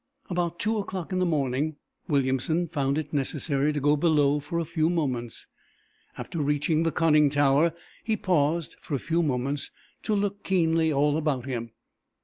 About two o'clock in the morning Williamson found it necessary to go below for a few moments. After reaching the conning tower he paused, for a few moments, to look keenly all about him.